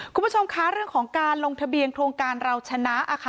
คุณผู้ชมคะเรื่องของการลงทะเบียนโครงการเราชนะค่ะ